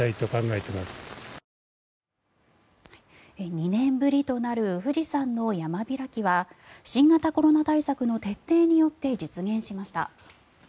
２年ぶりとなる富士山の山開きは新型コロナ対策の徹底によって実現しました。